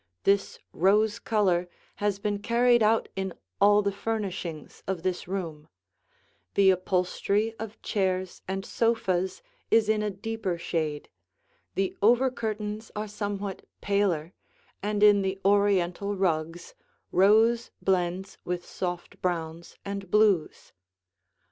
This rose color has been carried out in all the furnishings of this room; the upholstery of chairs and sofas is in a deeper shade; the over curtains are somewhat paler, and in the Oriental rugs, rose blends with soft browns and blues.